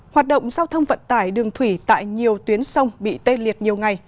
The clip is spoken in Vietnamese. hoạt động giao thông vận tải đường thủy tại nhiều tuyến sông bị tê liệt nhiều ngày